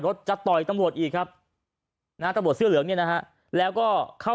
จะต่อยตำรวจอีกครับนะฮะตำรวจเสื้อเหลืองเนี่ยนะฮะแล้วก็เข้า